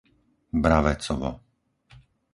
Braväcovo